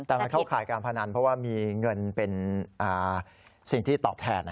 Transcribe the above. แต่มันเข้าข่ายการพนันเพราะว่ามีเงินเป็นสิ่งที่ตอบแทน